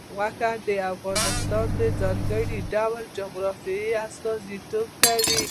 غوښې د افغانستان د ځانګړي ډول جغرافیه استازیتوب کوي.